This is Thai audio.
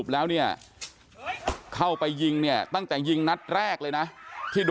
กระสุนเนี่ยได้ยินเสียงทั้งหมด๕นัดด้วยกันนะครับ